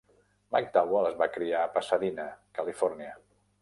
McDowell es va criar a Pasadena, Califòrnia.